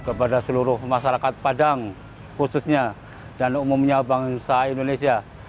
kepada seluruh masyarakat padang khususnya dan umumnya bangsa indonesia